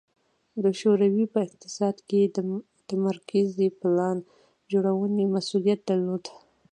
د شوروي په اقتصاد کې د متمرکزې پلان جوړونې مسوولیت درلود